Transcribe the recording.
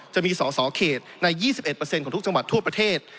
จะมีสอสอเขตใน๒๑ของทุกจังหวัดทั่วประเทศ